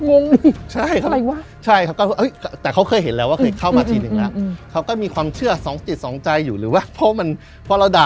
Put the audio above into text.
งงเลยเหมือนมีอะไรเหรอ